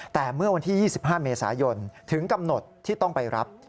แต่เมื่อวันที่๒๕เมษายนถึงกำหนดที่ต้องไปรับ